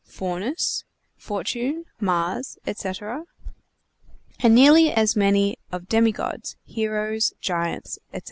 Faunus, Fortune, Mars, etc., and nearly as many of demi gods, heroes, giants, etc.